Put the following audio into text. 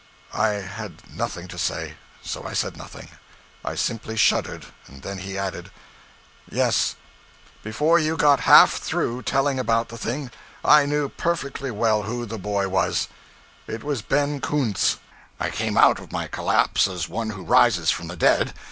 I had nothing to say; so I said nothing. I simply shuddered. Then he added 'Yes, before you got half through telling about the thing, I knew perfectly well who the boy was; it was Ben Coontz!' I came out of my collapse as one who rises from the dead.